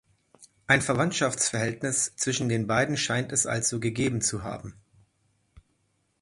Ein Verwandtschaftsverhältnis zwischen den beiden scheint es also gegeben zu haben.